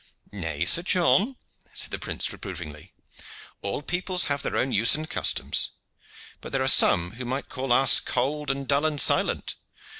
"Nay, Sir John," said the prince reprovingly, "all peoples have their own use and customs. There are some who might call us cold and dull and silent.